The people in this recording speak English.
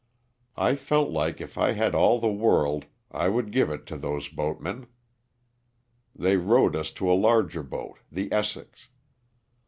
I felt like if I had all the world I would give it to those boatmen. They rowed us to a larger boat, the " Essex."